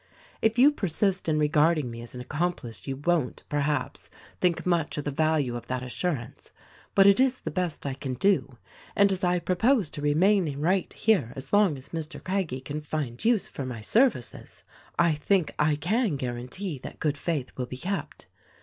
If you persist in regarding me as an accomplice you won't, perhaps, think much of the value of that assurance ; but it is the best I can do, and as I propose to remain right here as long as Mr. Craggie can find use for my services I think I can guarantee that good faith will be kept.